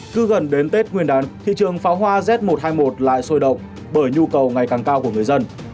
cứ gần đến tết nguyên đán thị trường pháo hoa z một trăm hai mươi một lại sôi động bởi nhu cầu ngày càng cao của người dân